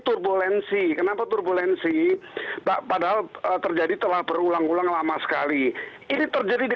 turbulensi kenapa turbulensi padahal terjadi telah berulang ulang lama sekali ini terjadi di